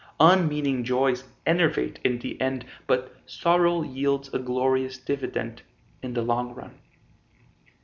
Unmeaning joys enervate in the end, But sorrow yields a glorious dividend In the long run.